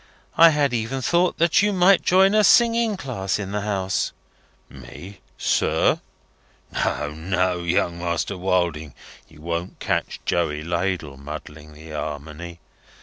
I had even thought that you might join a singing class in the house." "Me, sir? No, no, Young Master Wilding, you won't catch Joey Ladle muddling the Armony.